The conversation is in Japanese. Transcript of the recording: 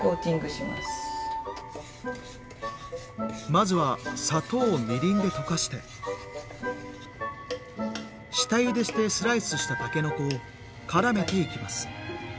まずは砂糖をみりんで溶かして下ゆでしてスライスしたたけのこをからめていきます。